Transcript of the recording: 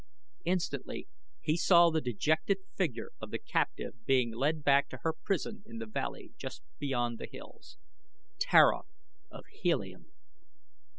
Instantly he saw the dejected figure of the captive being led back to her prison in the valley just beyond the hills. Tara of Helium!